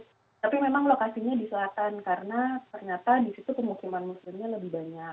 tapi memang lokasinya di selatan karena ternyata di situ pemukiman muslimnya lebih banyak